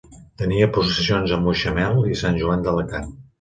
Tenia possessions a Mutxamel i Sant Joan d'Alacant.